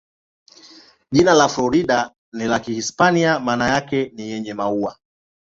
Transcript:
Jina la Florida ni ya Kihispania, maana yake ni "yenye maua".